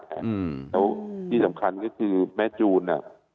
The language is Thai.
แล้วที่สำคัญก็คือแม่จูน